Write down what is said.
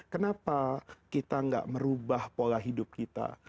kenapa kita tidak merubah pola hidup kita